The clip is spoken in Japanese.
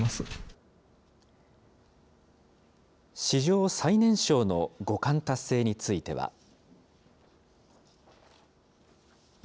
史上最年少の五冠達成については。